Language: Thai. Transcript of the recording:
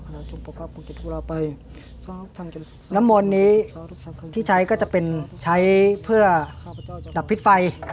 น้ำมนี่ที่ใช้ก็จะเป็นใช้เพื่อดับพริชไฟ